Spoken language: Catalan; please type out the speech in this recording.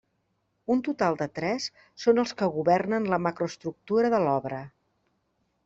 Un total de tres són els que governen la macroestructura de l'obra.